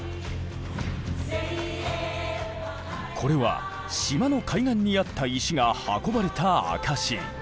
これは島の海岸にあった石が運ばれた証し。